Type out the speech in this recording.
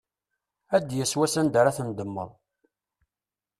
Ad d-yas wass anda ara tendemmeḍ.